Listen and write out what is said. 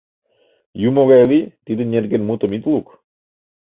Юмо гай лий, тидын нерген мутым ит лук.